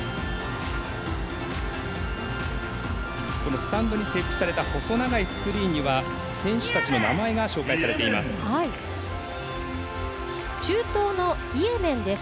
スタンドに設置された細長いスクリーンには選手たちの名前が紹介されています。